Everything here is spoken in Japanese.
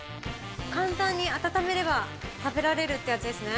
簡単に温めれば、食べられるっていうやつですね。